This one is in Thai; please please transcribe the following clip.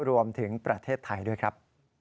รวมถึงประเทศไทยด้วยครับ